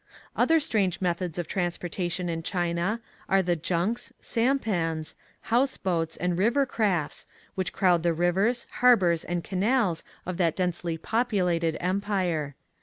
Other strange methods of transporta tion in China are the junks, sampans, house boats, and river crafts, which crowd the rivers, harbors, and canals of that densely populated empire.